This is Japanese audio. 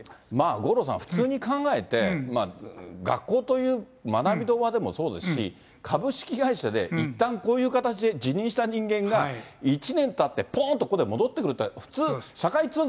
五郎さん、普通に考えて学校という学びの場でもそうですし、株式会社でいったんこういう形で辞任した人間が１年たってぽんとここで戻ってくるって、ありえません。